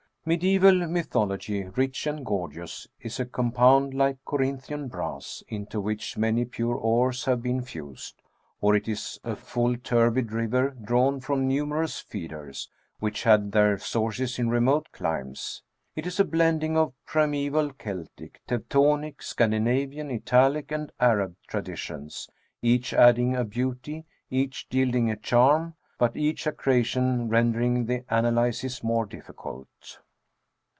Mediaeval mythology, rich and gorgeous^ is a com pound like Corinthian brass, into which many pure ores have been fused, or it is a full turbid river drawn from numerous feeders, which had their sources in remote climes. It is a blending of primaeval Keltic, Teutonic, Scandinavian, Italic, and Arab traditions, each adding THE SCANDINAVIAN WERE WOLF. 36 a beauty, each yielding a charm, but each accretion ren dering the analysis more difficult.